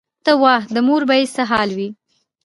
ته وا د مور به یې څه حال وي.